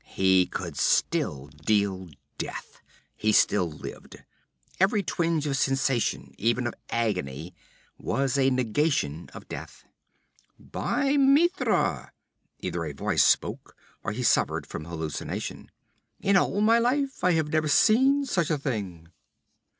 He could still deal death; he still lived. Every twinge of sensation, even of agony, was a negation of death. 'By Mitra!' Either a voice spoke, or he suffered from hallucination. 'In all my life I have never seen such a thing!'